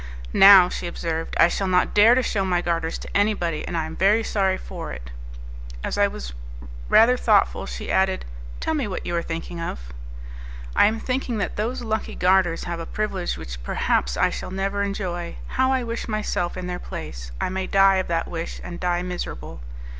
"Now," she observed, "I shall not dare to shew my garters to anybody, and I am very sorry for it." As I was rather thoughtful, she added, "Tell me what you are thinking of?" "I am thinking that those lucky garters have a privilege which perhaps I shall never enjoy. How I wish myself in their place: I may die of that wish, and die miserable."